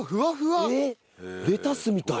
レタスみたい。